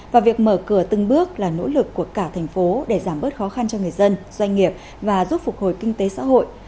và việc mở cửa từng bước là nỗ lực của cả thành phố để giảm bớt khó khăn cho người dân doanh nghiệp và giúp phục hồi kinh tế xã hội